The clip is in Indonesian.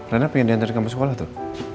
reina pingin diantarin ke kampus sekolah tuh